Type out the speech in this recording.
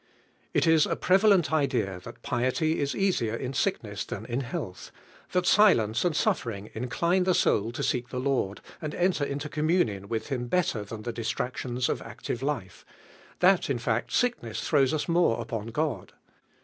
S. IT is a prevalent idea that piety is easi er in sickness than in health; that si lence and Buffering incline the soul to seek Hie Lord, and enter into communion with Him better than the distractions of active life; that, in fact, sickness throws us more upon God.